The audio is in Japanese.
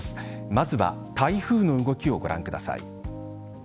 まずは台風の動きをご覧ください。